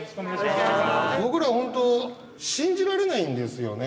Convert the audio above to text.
僕ら本当信じられないんですよね。